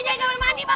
jangan kamar mandi ma